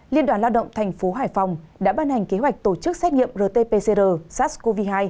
liên đoàn lao động thành phố hải phòng đã ban hành kế hoạch tổ chức xét nghiệm rt pcr sars cov hai